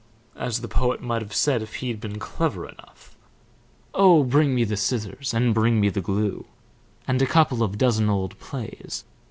As the poet might have said if he'd been clever enough: Oh, bring me the scissors, And bring me the glue, And a couple of dozen old plays.